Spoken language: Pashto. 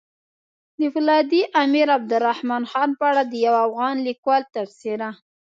د فولادي امير عبدالرحمن خان په اړه د يو افغان ليکوال تبصره!